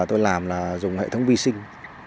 tôi làm là dùng hệ thống vi sinh